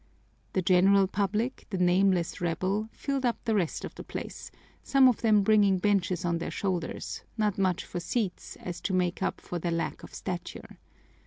The general public, the nameless rabble, filled up the rest of the place, some of them bringing benches on their shoulders not so much for seats as to make, up for their lack of stature.